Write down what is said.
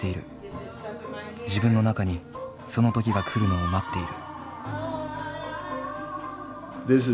自分の中にその時が来るのを待っている。